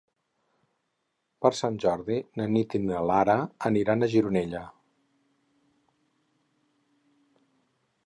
Per Sant Jordi na Nit i na Lara aniran a Gironella.